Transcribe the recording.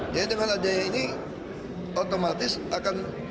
jadi dengan adanya ini otomatis akan